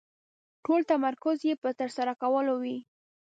ټول تمرکز يې په ترسره کولو وي.